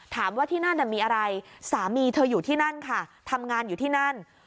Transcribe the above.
ถามว่าที่นั่นมีอะไรสามีเธออยู่ที่นั่นค่ะทำงานอยู่ที่นั่น